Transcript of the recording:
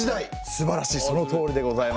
すばらしいそのとおりでございます。